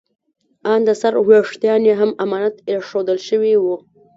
ان د سر ویښتان یې هم امانت ایښودل شوي وو.